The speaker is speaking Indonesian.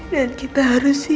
dan kita harus siap